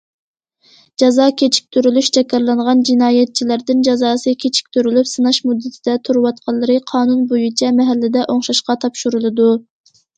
جازا كېچىكتۈرۈلۈش جاكارلانغان جىنايەتچىلەردىن جازاسى كېچىكتۈرۈلۈپ سىناش مۇددىتىدە تۇرۇۋاتقانلىرى قانۇن بويىچە مەھەللىدە ئوڭشاشقا تاپشۇرۇلىدۇ.